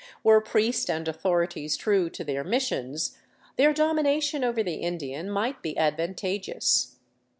Were priest and authorities true to their mis sions, their domination over the Indian might be advantageous.